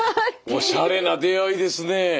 おしゃれな出会いですね。